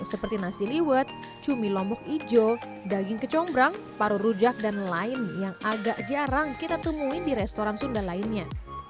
seperti nasi liwet cumi lombok hijau daging kecombrang paru rujak dan lain yang agak jarang kita temuin di restoran sunda lainnya